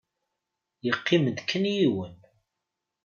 Yeqqim-d kan yiwen.